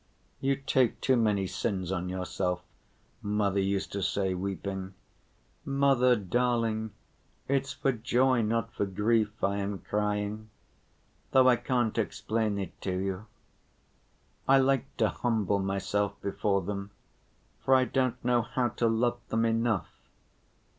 "You take too many sins on yourself," mother used to say, weeping. "Mother, darling, it's for joy, not for grief I am crying. Though I can't explain it to you, I like to humble myself before them, for I don't know how to love them enough.